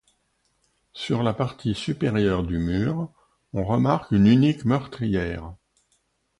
Sur la partie supérieure du mur, on remarque une unique meurtrière.